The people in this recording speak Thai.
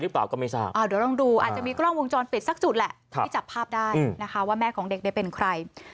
เดี๋ยวต้องดูอาจจะมีกล้องวงจรปิดซักจุดแหล่ที่จับภาพได้ว่าแม่ของเด็กเรียนเป็นใคร